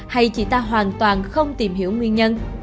hay chị ta hoàn toàn không tìm hiểu nguyên nhân